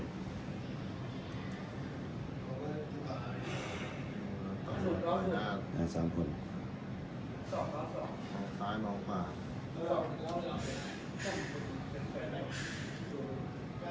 ส่วนสุดท้ายส่วนสุดท้าย